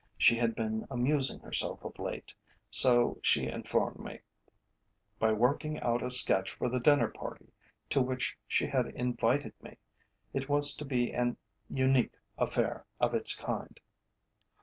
She had been amusing herself of late, so she informed me, by working out a sketch for the dinner party to which she had invited me. It was to be an unique affair of its kind.